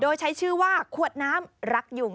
โดยใช้ชื่อว่าขวดน้ำรักยุง